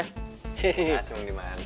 makasih mang diman